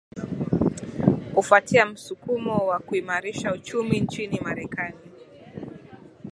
ufuatia msukumo wa kuimarisha uchumi nchini marekani